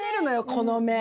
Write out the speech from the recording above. この目。